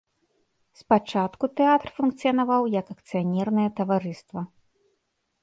Спачатку тэатр функцыянаваў як акцыянернае таварыства.